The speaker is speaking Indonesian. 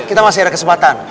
kita masih ada kesempatan